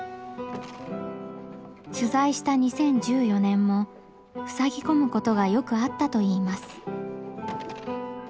取材した２０１４年もふさぎ込むことがよくあったと言います。